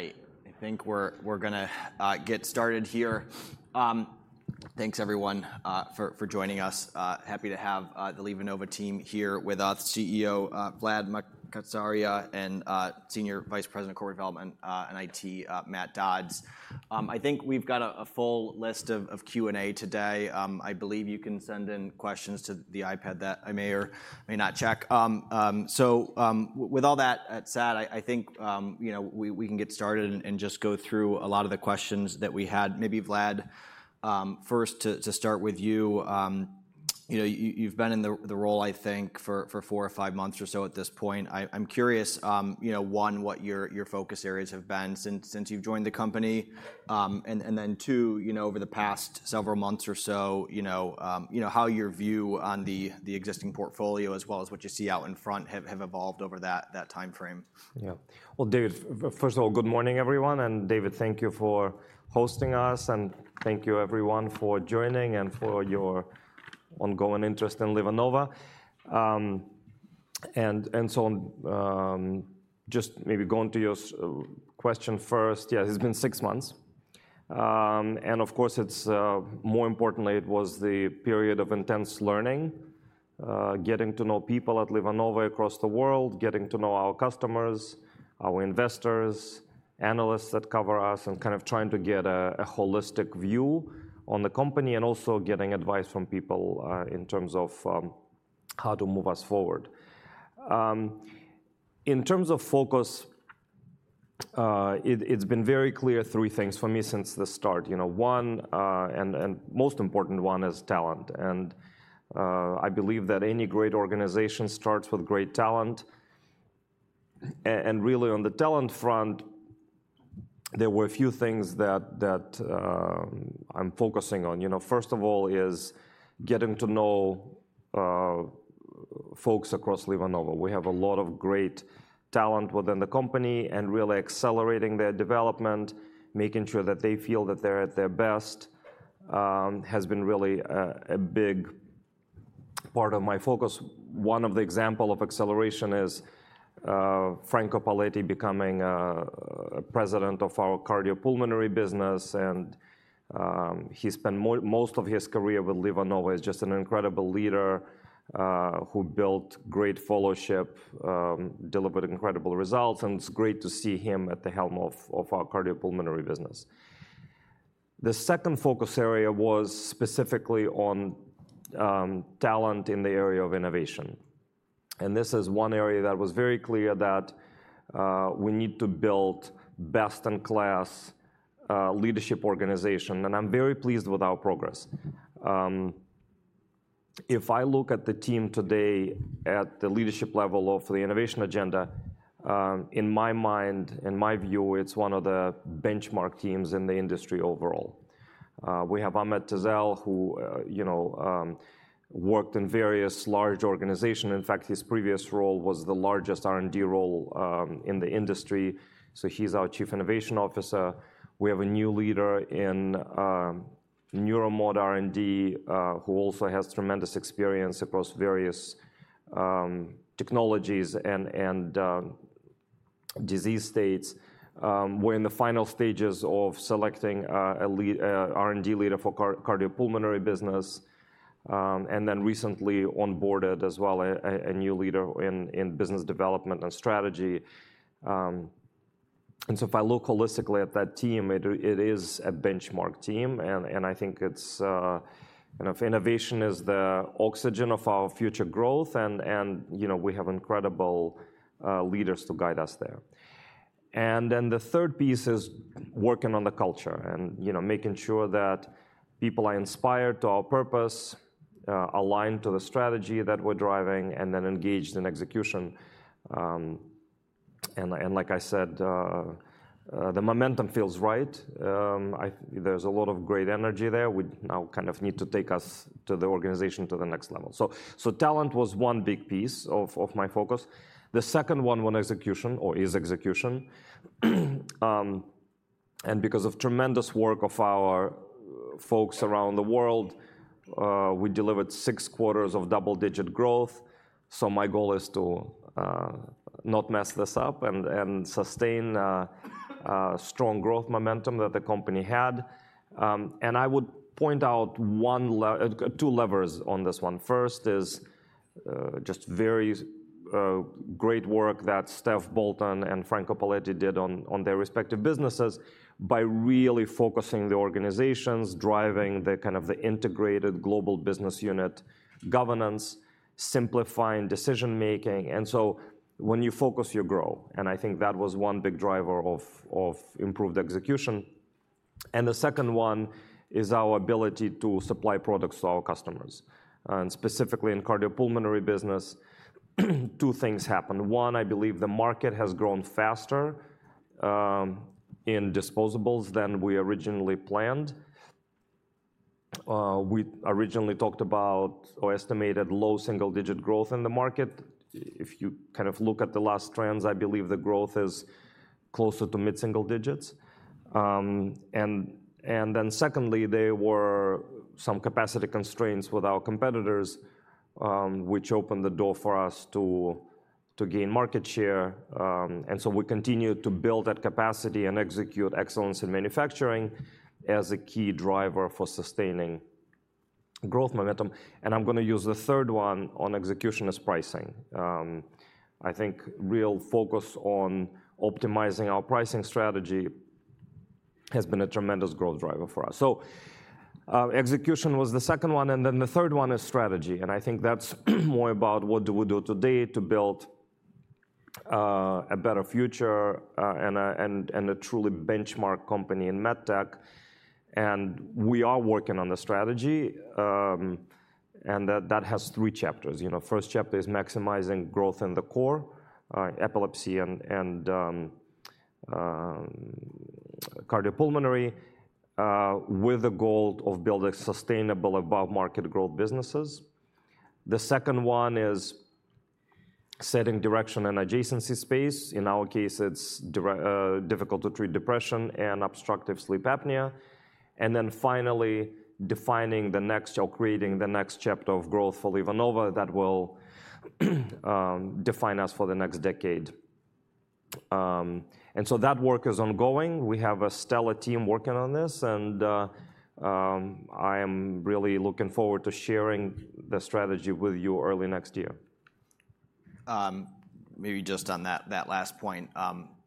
All right. I think we're gonna get started here. Thanks everyone for joining us. Happy to have the LivaNova team here with us, CEO Vlad Makatsaria, and Senior Vice President of Corporate Development and IT, Matt Dodds. I think we've got a full list of Q&A today. I believe you can send in questions to the iPad that I may or may not check. So, with all that said, I think you know, we can get started and just go through a lot of the questions that we had. Maybe Vlad, first to start with you, you know, you've been in the role, I think, for four or five months or so at this point. I'm curious, you know, one, what your focus areas have been since you've joined the company. And then two, you know, over the past several months or so, you know, how your view on the existing portfolio, as well as what you see out in front, have evolved over that timeframe. Yeah. Well, David, first of all, good morning, everyone, and David, thank you for hosting us. Thank you everyone for joining and for your ongoing interest in LivaNova. Just maybe going to your question first, yeah, it's been six months. Of course, it's more importantly, it was the period of intense learning, getting to know people at LivaNova across the world, getting to know our customers, our investors, analysts that cover us, and kind of trying to get a holistic view on the company, and also getting advice from people in terms of how to move us forward. In terms of focus, it's been very clear, three things for me since the start, you know, one, and most important one is talent. I believe that any great organization starts with great talent. And really, on the talent front, there were a few things that I'm focusing on. You know, first of all, is getting to know folks across LivaNova. We have a lot of great talent within the company, and really accelerating their development, making sure that they feel that they're at their best has been really a big part of my focus. One of the example of acceleration is Franco Politi becoming President of our Cardiopulmonary business, and he spent most of his career with LivaNova. He's just an incredible leader who built great fellowship delivered incredible results, and it's great to see him at the helm of our Cardiopulmonary business. The second focus area was specifically on talent in the area of innovation, and this is one area that was very clear that we need to build best-in-class leadership organization, and I'm very pleased with our progress. If I look at the team today, at the leadership level of the innovation agenda, in my mind, in my view, it's one of the benchmark teams in the industry overall. We have Ahmet Tezel, who you know worked in various large organization. In fact, his previous role was the largest R&D role in the industry, so he's our Chief Innovation Officer. We have a new leader in Neuromod R&D, who also has tremendous experience across various technologies and disease states. We're in the final stages of selecting a lead R&D leader for Cardiopulmonary business, and then recently onboarded as well a new leader in business development and strategy. So if I look holistically at that team, it is a benchmark team, and I think it's kind of innovation is the oxygen of our future growth, and you know, we have incredible leaders to guide us there. And then the third piece is working on the culture and, you know, making sure that people are inspired to our purpose, aligned to the strategy that we're driving, and then engaged in execution. And like I said, the momentum feels right. There's a lot of great energy there, which now kind of need to take us to the organization to the next level. So talent was one big piece of my focus. The second one was execution or is execution. And because of tremendous work of our folks around the world, we delivered six quarters of double-digit growth. So my goal is to not mess this up and sustain strong growth momentum that the company had. And I would point out two levers on this one. First, it's just very great work that Steph Bolton and Franco Politi did on their respective businesses by really focusing the organizations, driving the kind of the integrated global business unit, governance, simplifying decision making, and so when you focus, you grow, and I think that was one big driver of improved execution. The second one is our ability to supply products to our customers, and specifically in Cardiopulmonary business, two things happened: one, I believe the market has grown faster in disposables than we originally planned. We originally talked about or estimated low double-digit growth in the market. If you kind of look at the last trends, I believe the growth is closer to mid-single digits. And then secondly, there were some capacity constraints with our competitors, which opened the door for us to gain market share. And so we continued to build that capacity and execute excellence in manufacturing as a key driver for sustaining growth momentum. And I'm gonna use the third one on execution as pricing. I think real focus on optimizing our pricing strategy has been a tremendous growth driver for us. So, execution was the second one, and then the third one is strategy, and I think that's more about what do we do today to build a better future, and a truly benchmark company in med tech. And we are working on the strategy, and that has three chapters. You know, first chapter is maximizing growth in the core, epilepsy and cardiopulmonary, with the goal of building sustainable above-market growth businesses. The second one is setting direction and adjacency space. In our case, it's difficult to treat depression and obstructive sleep apnea. And then finally, defining the next or creating the next chapter of growth for LivaNova that will define us for the next decade. And so that work is ongoing. We have a stellar team working on this, and I am really looking forward to sharing the strategy with you early next year. Maybe just on that last point,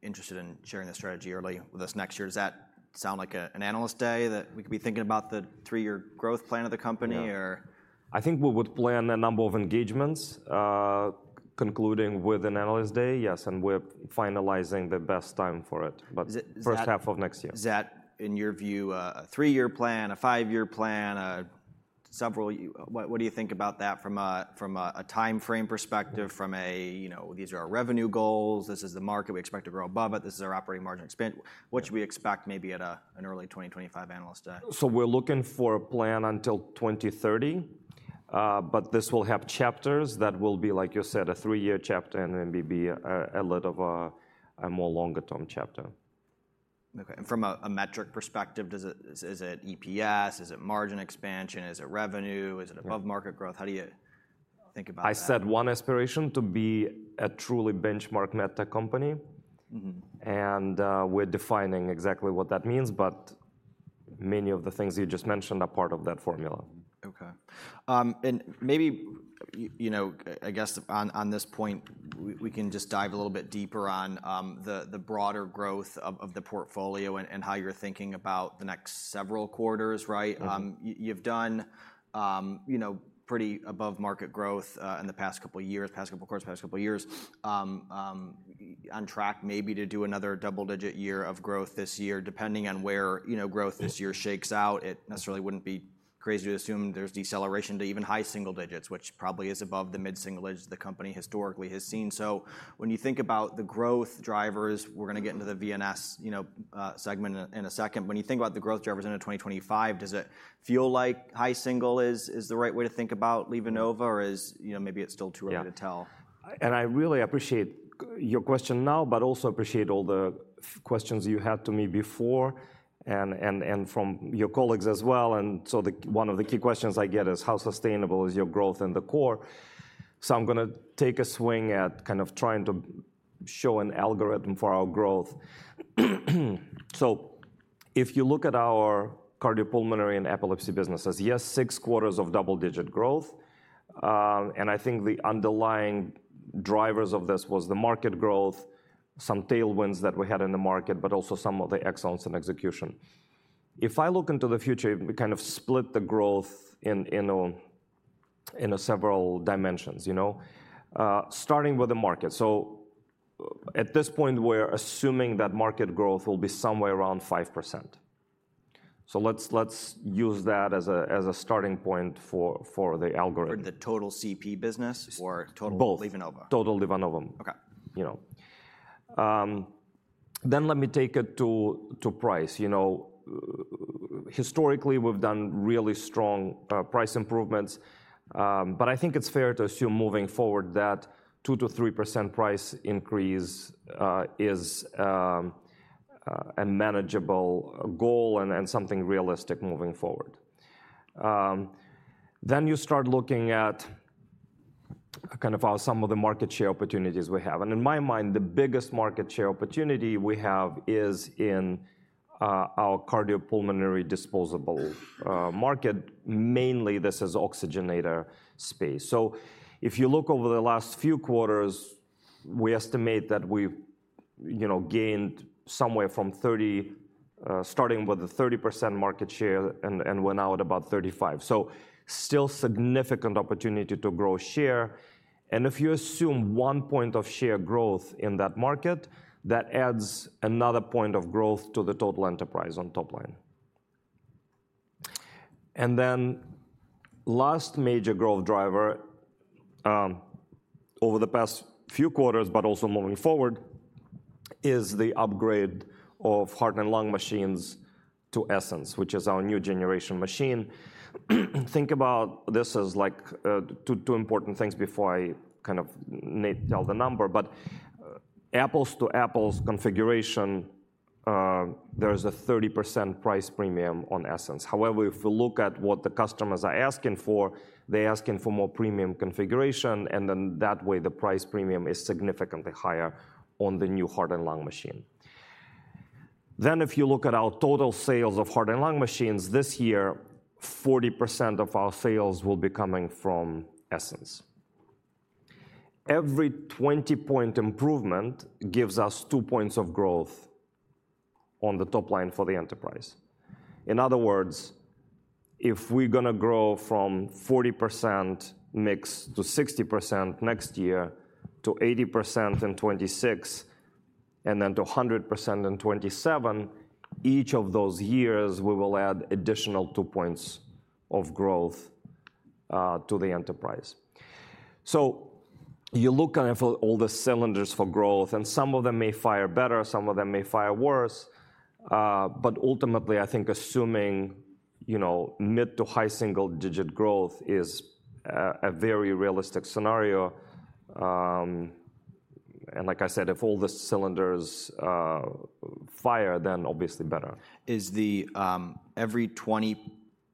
interested in sharing the strategy early with us next year. Does that sound like an analyst day, that we could be thinking about the three-year growth plan of the company or? Yeah. I think we would plan a number of engagements, concluding with an analyst day, yes, and we're finalizing the best time for it, but- Is it, is that? First half of next year. Is that, in your view, a three-year plan, a five-year plan, a several year—what do you think about that from a timeframe perspective? You know, these are our revenue goals, this is the market we expect to grow above it, this is our operating margin spend. What should we expect maybe at an early twenty twenty-five analyst day? We're looking for a plan until 2030. But this will have chapters that will be, like you said, a three-year chapter and then maybe a little of a more longer-term chapter. Okay. And from a metric perspective, is it EPS? Is it margin expansion? Is it revenue? Yeah. Is it above-market growth? How do you think about that? I said one aspiration, to be a truly benchmark med tech company. Mm-hmm. And, we're defining exactly what that means, but many of the things you just mentioned are part of that formula. Okay. And maybe you know, I guess on this point, we can just dive a little bit deeper on the broader growth of the portfolio and how you're thinking about the next several quarters, right? Mm-hmm. You've done, you know, pretty above-market growth in the past couple of years, past couple of quarters, past couple of years. On track maybe to do another double-digit year of growth this year. Depending on where, you know, growth this year shakes out, it necessarily wouldn't be crazy to assume there's deceleration to even high single digits, which probably is above the mid-single digits the company historically has seen. When you think about the growth drivers, we're gonna get into the VNS, you know, segment in a second. When you think about the growth drivers into twenty twenty-five, does it feel like high single is the right way to think about LivaNova, or is... you know, maybe it's still too early to tell? Yeah. And I really appreciate your question now, but also appreciate all the questions you had to me before and from your colleagues as well. And so one of the key questions I get is, how sustainable is your growth in the core? So I'm gonna take a swing at kind of trying to show an algorithm for our growth. So if you look at our cardiopulmonary and epilepsy businesses, yes, six quarters of double-digit growth. And I think the underlying drivers of this was the market growth, some tailwinds that we had in the market, but also some of the excellence in execution. If I look into the future, we kind of split the growth in several dimensions, you know, starting with the market. So at this point, we're assuming that market growth will be somewhere around 5%. So let's use that as a starting point for the algorithm. For the total CP business or total- Both. LivaNova? Total LivaNova. Okay. You know, then let me take it to price. You know, historically, we've done really strong price improvements, but I think it's fair to assume moving forward that 2%-3% price increase is a manageable goal and something realistic moving forward. Then you start looking at kind of some of the market share opportunities we have, and in my mind, the biggest market share opportunity we have is in our cardiopulmonary disposable market. Mainly, this is oxygenator space. So if you look over the last few quarters, we estimate that we've gained, starting with a 30% market share and we're now at about 35, so still significant opportunity to grow share. If you assume one point of share growth in that market, that adds another point of growth to the total enterprise on top line. Then last major growth driver, over the past few quarters, but also moving forward, is the upgrade of heart and lung machines to Essenz, which is our new generation machine. Think about this as, like, two, two important things before I kind of tell the number, but, apples to apples configuration, there's a 30% price premium on Essenz. However, if you look at what the customers are asking for, they're asking for more premium configuration, and then that way the price premium is significantly higher on the new heart and lung machine. Then if you look at our total sales of heart and lung machines this year, 40% of our sales will be coming from Essenz. Every 20-point improvement gives us two points of growth on the top line for the enterprise. In other words, if we're gonna grow from 40% mix to 60% next year, to 80% in 2026, and then to 100% in 2027, each of those years we will add additional two points of growth to the enterprise. So you look at all the cylinders for growth, and some of them may fire better, some of them may fire worse. But ultimately, I think assuming you know mid to high single-digit growth is a very realistic scenario. And like I said, if all the cylinders fire, then obviously better. Is the every twenty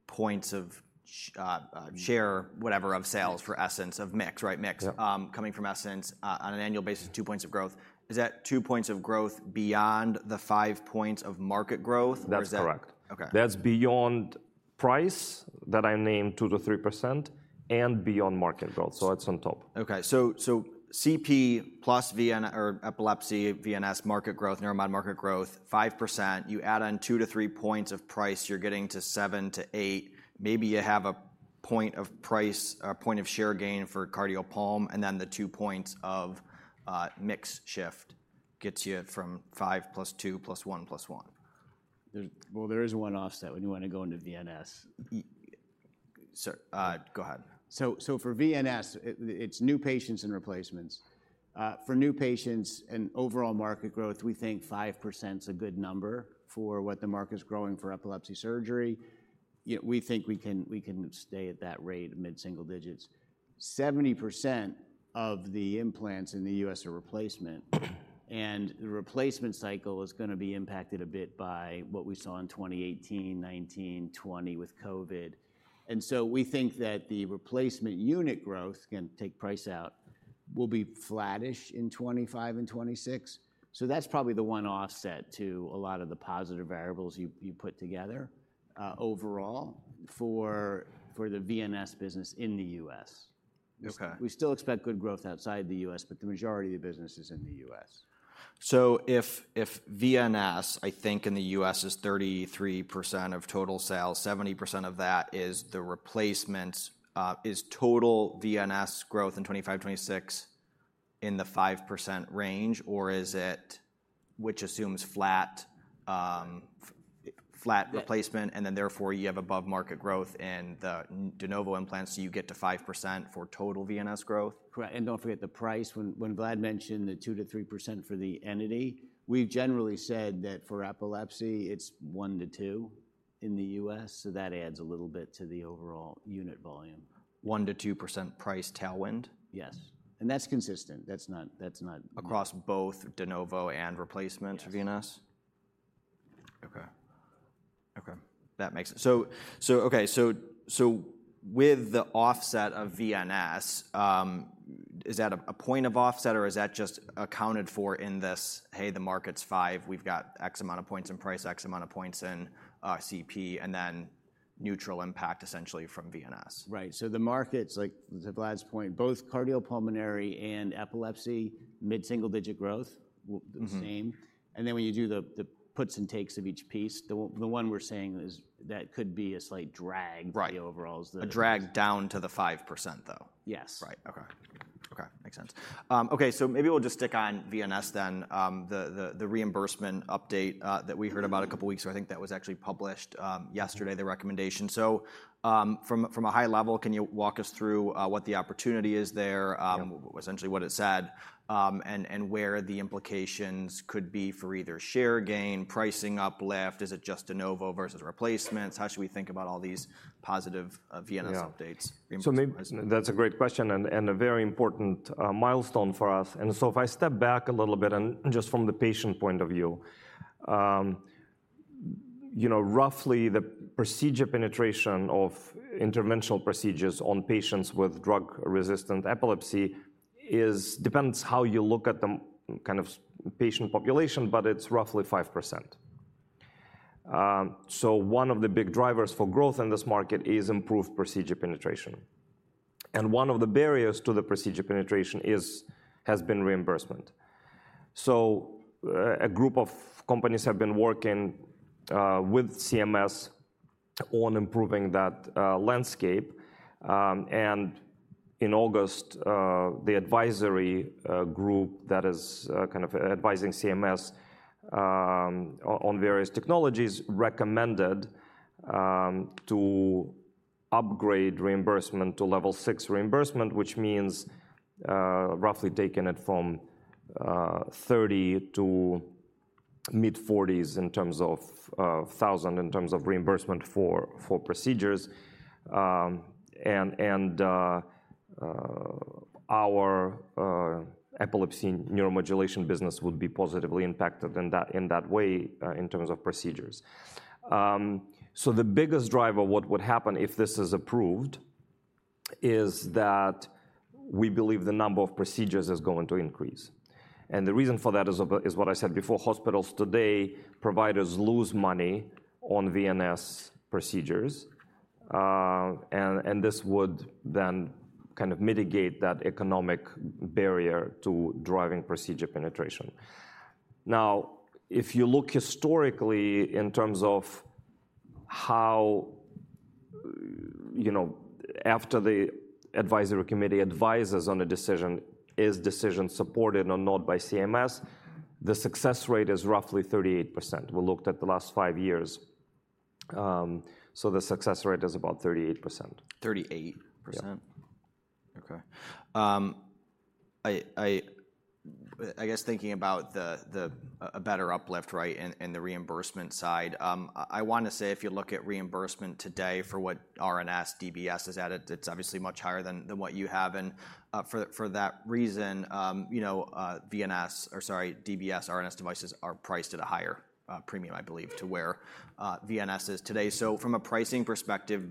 points of Mm-hmm... share, whatever, of sales for Essenz of mix, right, Yeah... coming from Essenz, on an annual basis, two points of growth. Is that two points of growth beyond the five points of market growth, or is that- That's correct. Okay. That's beyond price that I named 2%-3%, and beyond market growth, so that's on top. Okay, so, so CP plus VNS or epilepsy, VNS market growth, neuromod market growth, 5%. You add on two to three points of price, you're getting to seven to eight. Maybe you have a point of price, a point of share gain for cardiopulm, and then the two points of mix shift gets you from five plus two, plus one, plus one. There is one offset when you want to go into VNS. Yes, sir, go ahead. For VNS, it's new patients and replacements. For new patients and overall market growth, we think 5%'s a good number for what the market is growing for epilepsy surgery. Yet we think we can stay at that rate, mid-single digits. 70% of the implants in the U.S. are replacement, and the replacement cycle is gonna be impacted a bit by what we saw in 2018, 2019, 2020 with COVID, and so we think that the replacement unit growth, can take price out, will be flattish in 2025 and 2026, so that's probably the one offset to a lot of the positive variables you put together, overall for the VNS business in the U.S. Okay. We still expect good growth outside the U.S., but the majority of the business is in the U.S. So if VNS, I think in the U.S. is 33% of total sales, 70% of that is the replacements. Is total VNS growth in 2025, 2026 in the 5% range, or is it... Which assumes flat, f- Yeah ... flat replacement, and then therefore, you have above-market growth in the de novo implants, so you get to 5% for total VNS growth? Correct. And don't forget the price. When Vlad mentioned the 2-3% for the entity, we've generally said that for epilepsy, it's 1-2% in the U.S., so that adds a little bit to the overall unit volume. 1%-2% price tailwind? Yes, and that's consistent. That's not. Across both de novo and replacements VNS? Yes. Okay. Okay, that makes sense. So, okay, so, with the offset of VNS, is that a point of offset, or is that just accounted for in this, "Hey, the market's five, we've got X amount of points in price, X amount of points in CP, and then neutral impact essentially from VNS? Right. So the markets, like to Vlad's point, both Cardiopulmonary and Epilepsy, mid-single-digit growth. Mm-hmm. The same. And then when you do the puts and takes of each piece, the w- Mm... the one we're saying is that could be a slight drag- Right... to the overalls. A drag down to the 5%, though? Yes. Right. Okay. Okay, makes sense. Okay, so maybe we'll just stick on VNS then. The reimbursement update that we heard about- Mm-hmm... A couple weeks ago, I think that was actually published yesterday, the recommendation. So, from a high level, can you walk us through what the opportunity is there? Yeah. Essentially what it said, and where the implications could be for either share gain, pricing uplift? Is it just de novo versus replacements? How should we think about all these positive, VNS- Yeah... updates, reimbursement? That's a great question, and a very important milestone for us. And so if I step back a little bit and just from the patient point of view, you know, roughly the procedure penetration of interventional procedures on patients with drug-resistant epilepsy is – depends how you look at the kind of patient population, but it's roughly 5%. So one of the big drivers for growth in this market is improved procedure penetration, and one of the barriers to the procedure penetration is, has been reimbursement. So a group of companies have been working with CMS on improving that landscape. And in August, the advisory group that is kind of advising CMS on various technologies recommended to upgrade reimbursement to level six reimbursement, which means roughly taking it from thirty to-... mid-forties in terms of thousand, in terms of reimbursement for procedures. And our epilepsy neuromodulation business would be positively impacted in that way, in terms of procedures. So the biggest driver, what would happen if this is approved, is that we believe the number of procedures is going to increase. And the reason for that is what I said before, hospitals today, providers lose money on VNS procedures. And this would then kind of mitigate that economic barrier to driving procedure penetration. Now, if you look historically in terms of how, you know, after the advisory committee advises on a decision, is decision supported or not by CMS, the success rate is roughly 38%. We looked at the last five years. So the success rate is about 38%. Thirty-eight percent? Yeah. Okay. I guess thinking about a better uplift, right, in the reimbursement side, I want to say, if you look at reimbursement today for what RNS DBS is at, it's obviously much higher than what you have. And for that reason, you know, VNS or, sorry, DBS RNS devices are priced at a higher premium, I believe, to where VNS is today. So from a pricing perspective,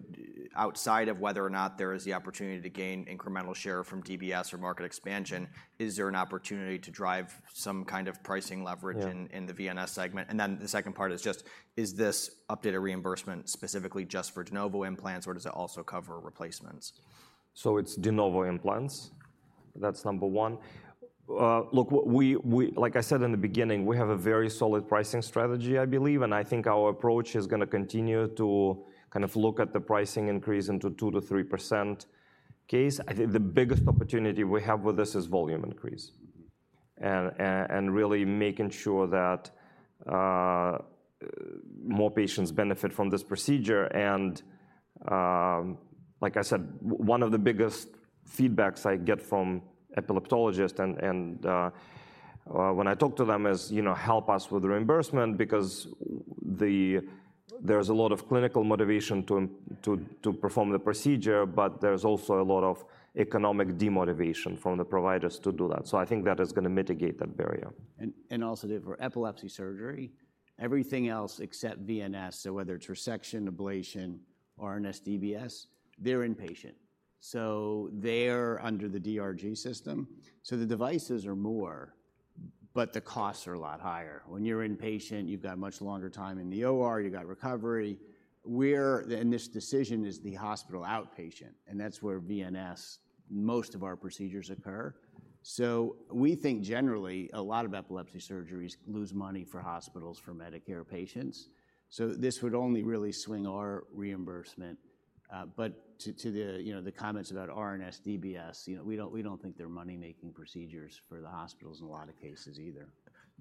outside of whether or not there is the opportunity to gain incremental share from DBS or market expansion, is there an opportunity to drive some kind of pricing leverage- Yeah. in the VNS segment? And then the second part is just, is this updated reimbursement specifically just for de novo implants, or does it also cover replacements? So it's de novo implants, that's number one. Look, what we... Like I said in the beginning, we have a very solid pricing strategy, I believe, and I think our approach is gonna continue to kind of look at the pricing increase into 2%-3% case. I think the biggest opportunity we have with this is volume increase- Mm-hmm. And really making sure that more patients benefit from this procedure. And like I said, one of the biggest feedbacks I get from epileptologists and when I talk to them is, "You know, help us with reimbursement," because there's a lot of clinical motivation to perform the procedure, but there's also a lot of economic demotivation from the providers to do that. So I think that is gonna mitigate that barrier. Also for epilepsy surgery, everything else except VNS, so whether it's resection, ablation, RNS, DBS, they're inpatient, so they're under the DRG system. So the devices are more, but the costs are a lot higher. When you're inpatient, you've got much longer time in the OR, you've got recovery. This decision is the hospital outpatient, and that's where VNS, most of our procedures occur. So we think generally, a lot of epilepsy surgeries lose money for hospitals, for Medicare patients, so this would only really swing our reimbursement. But to the, you know, the comments about RNS, DBS, you know, we don't think they're money-making procedures for the hospitals in a lot of cases either.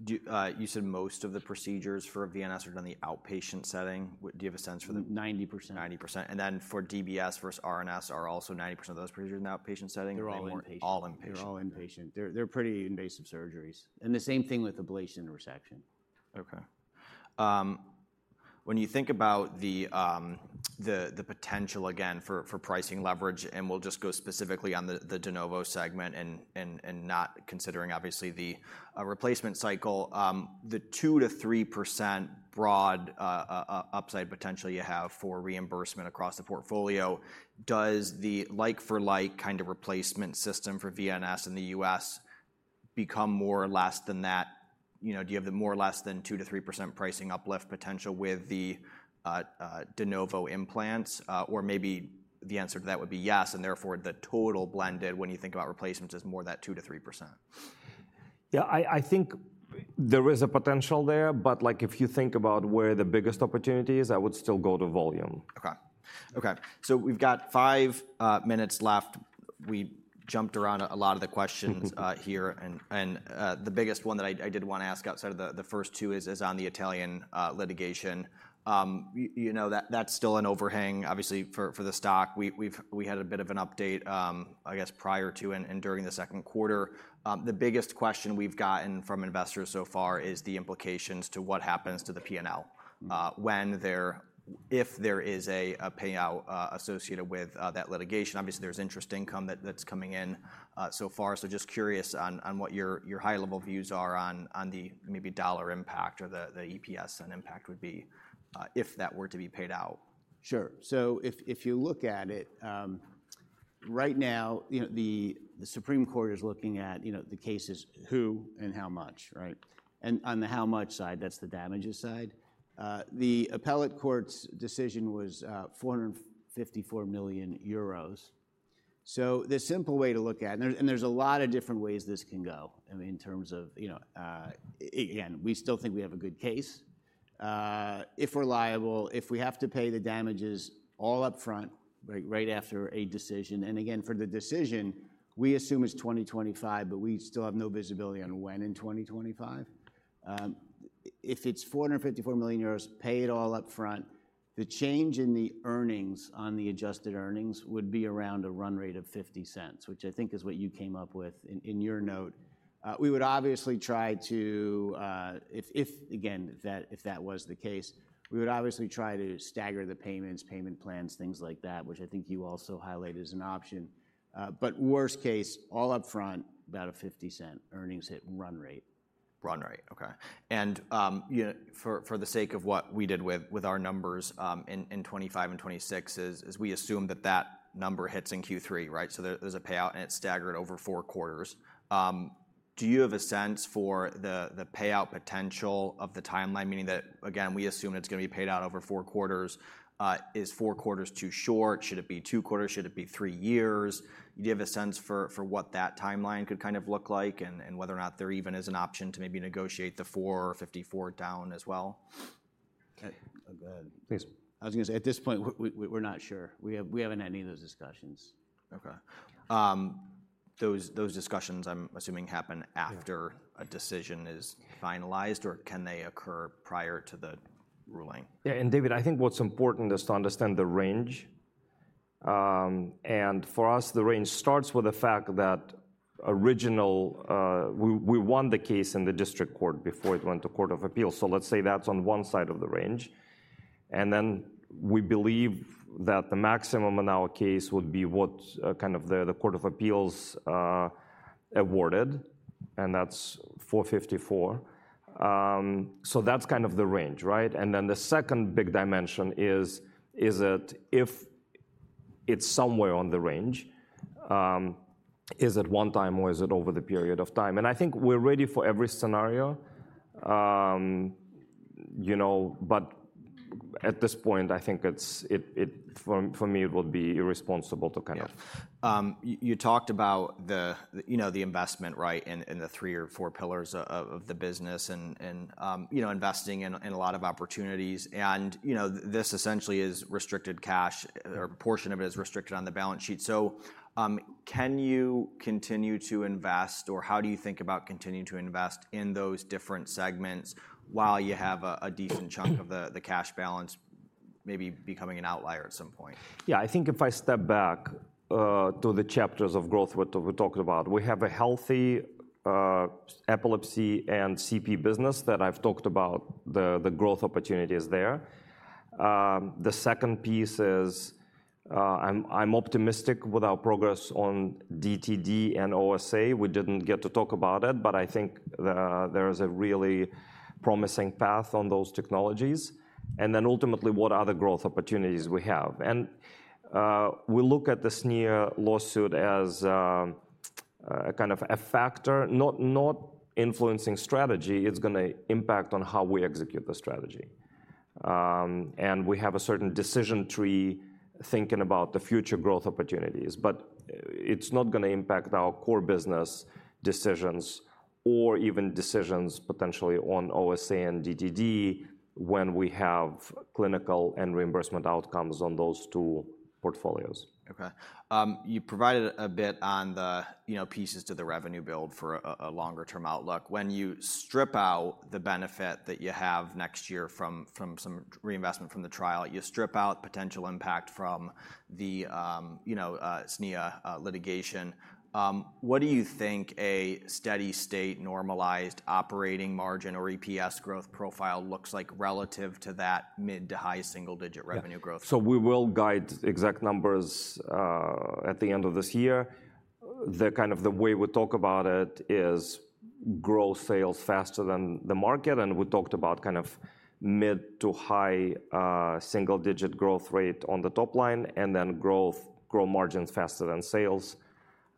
You said most of the procedures for VNS are done in the outpatient setting? Do you have a sense for the- Ninety percent. 90%. And then for DBS versus RNS are also 90% of those procedures in outpatient setting? They're all inpatient. All inpatient. They're all inpatient. They're pretty invasive surgeries, and the same thing with ablation and resection. Okay. When you think about the potential again, for pricing leverage, and we'll just go specifically on the de novo segment and not considering obviously the replacement cycle. The 2%-3% broad upside potential you have for reimbursement across the portfolio, does the like for like kind of replacement system for VNS in the U.S. become more or less than that? You know, do you have the more or less than 2%-3% pricing uplift potential with the de novo implants? Or maybe the answer to that would be yes, and therefore, the total blended, when you think about replacements, is more than 2%-3%. Yeah, I think there is a potential there, but like if you think about where the biggest opportunity is, I would still go to volume. Okay. Okay, so we've got five minutes left. We jumped around a lot of the questions here, and the biggest one that I did want to ask outside of the first two is on the Italian litigation. You know, that's still an overhang, obviously, for the stock. We've had a bit of an update, I guess prior to and during the second quarter. The biggest question we've gotten from investors so far is the implications to what happens to the P&L. Mm-hmm... when, if there is a payout associated with that litigation. Obviously, there's interest income that's coming in so far. So just curious on what your high-level views are on the maybe dollar impact or the EPS and impact would be if that were to be paid out. Sure. So if you look at it, right now, you know, the Supreme Court is looking at, you know, the case is who and how much, right? And on the how much side, that's the damages side. The appellate court's decision was 454 million euros. So the simple way to look at it, and there's a lot of different ways this can go in terms of, you know. Again, we still think we have a good case. If we're liable, if we have to pay the damages all up front, right after a decision, and again, for the decision, we assume it's 2025, but we still have no visibility on when in 2025. If it's 454 million euros, pay it all up front. The change in the earnings on the adjusted earnings would be around a run rate of $0.50, which I think is what you came up with in your note. We would obviously try to, if again that was the case, we would obviously try to stagger the payments, payment plans, things like that, which I think you also highlighted as an option. But worst case, all upfront, about a $0.50 earnings hit run rate. Run rate, okay. Yeah, for the sake of what we did with our numbers in 2025 and 2026, we assume that that number hits in Q3, right? So there's a payout, and it's staggered over four quarters. Do you have a sense for the payout potential of the timeline, meaning that, again, we assume it's gonna be paid out over four quarters? Is four quarters too short? Should it be two quarters? Should it be three years? Do you have a sense for what that timeline could kind of look like and whether or not there even is an option to maybe negotiate the four fifty-four down as well? Okay. Please. I was gonna say, at this point, we're not sure. We haven't had any of those discussions. Okay. Those discussions I'm assuming happen after- Yeah... a decision is finalized, or can they occur prior to the ruling? Yeah, and David, I think what's important is to understand the range, and for us, the range starts with the fact that originally we won the case in the district court before it went to Court of Appeals. So let's say that's on one side of the range, and then we believe that the maximum in our case would be what the Court of Appeals awarded, and that's four fifty-four, so that's kind of the range, right? And then the second big dimension is it if it's somewhere on the range, is it one time, or is it over the period of time? And I think we're ready for every scenario. You know, but at this point, I think it's for me, it would be irresponsible to kind of- Yeah. You talked about the, you know, the investment, right, and the three or four pillars of the business and, you know, investing in a lot of opportunities. And, you know, this essentially is restricted cash, or a portion of it is restricted on the balance sheet. So, can you continue to invest, or how do you think about continuing to invest in those different segments while you have a decent chunk of the cash balance maybe becoming an outlier at some point? Yeah, I think if I step back to the chapters of growth what we talked about, we have a healthy epilepsy and CP business that I've talked about the growth opportunities there. The second piece is, I'm optimistic with our progress on DTD and OSA. We didn't get to talk about it, but I think that there is a really promising path on those technologies. And then ultimately, what are the growth opportunities we have? And we look at the SNIA lawsuit as a kind of a factor, not influencing strategy, it's gonna impact on how we execute the strategy. And we have a certain decision tree thinking about the future growth opportunities, but it's not gonna impact our core business decisions or even decisions potentially on OSA and DTD when we have clinical and reimbursement outcomes on those two portfolios. Okay. You provided a bit on the, you know, pieces to the revenue build for a longer-term outlook. When you strip out the benefit that you have next year from some reinvestment from the trial, you strip out potential impact from the, you know, SNIA litigation. What do you think a steady-state normalized operating margin or EPS growth profile looks like relative to that mid- to high single-digit revenue growth? Yeah. So we will guide exact numbers at the end of this year. The kind of the way we talk about it is growth sales faster than the market, and we talked about kind of mid to high single-digit growth rate on the top line, and then growth margins faster than sales,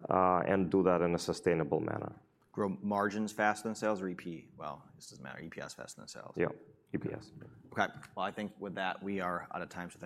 and do that in a sustainable manner. Grow margins faster than sales or EP... Well, this doesn't matter, EPS faster than sales. Yeah. EPS. Okay, well, I think with that, we are out of time. So thank you.